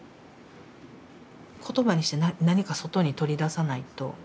言葉にして何か外に取り出さないと。